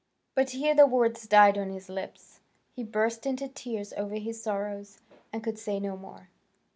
But here the words died on his lips; he burst into tears over his sorrows, and could say no more.